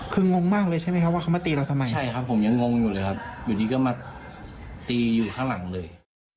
คืองงมากเลยใช่ไหมครับว่าเขามาตีเราทำไมใช่ครับผมยังงงอยู่เลยครับอยู่ดีก็มาตีอยู่ข้างหลังเลย